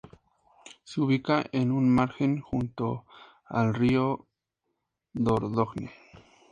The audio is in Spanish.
Se ubica en un margen junto al río Dordogne.